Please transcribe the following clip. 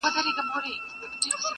• د غم قصه سړی خورا مات کړي,